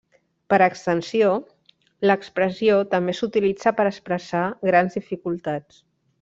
Per extensió l'expressió també s'utilitza per expressar grans dificultats.